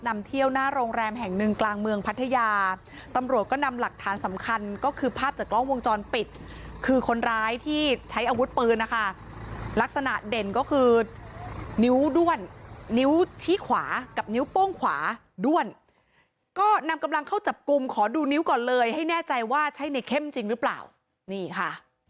นำเที่ยวหน้าโรงแรมแห่งหนึ่งกลางเมืองพัทยาตำรวจก็นำหลักฐานสำคัญก็คือภาพจากกล้องวงจรปิดคือคนร้ายที่ใช้อาวุธปืนนะคะลักษณะเด่นก็คือนิ้วด้วนนิ้วชี้ขวากับนิ้วโป้งขวาด้วนก็นำกำลังเข้าจับกลุ่มขอดูนิ้วก่อนเลยให้แน่ใจว่าใช่ในเข้มจริงหรือเปล่านี่ค่ะ